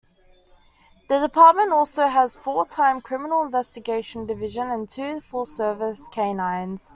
The department also has a full-time Criminal Investigation Division and two full service canines.